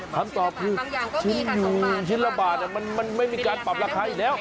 คำตอบคือชิ้นละบาทมันไม่มีการปรับละคัยแล้ว